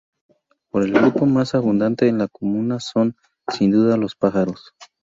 Pero el grupo más abundante en la Comuna son, sin duda, los pájaros.